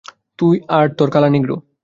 তুই আর তোর কালা নিগ্রো।